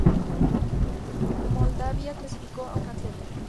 Moldavia clasificó a una atleta.